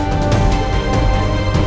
sebenernya gua ngasih ke pot tempat gitu